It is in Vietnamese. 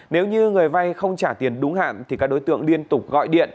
nếu như người vay không trả tiền đúng hạn thì các đối tượng liên tục gọi điện